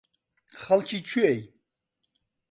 خەڵکی کوێی؟